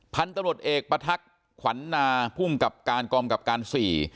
พันธุ์ตำรวจเอกประทักษ์ขวัญนาภูมิกับการกองกับการสี่